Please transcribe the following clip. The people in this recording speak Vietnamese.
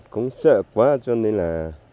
cũng sợ quá cho nên là